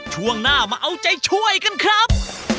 ช่วงหน้ามาเอาใจช่วยกันครับ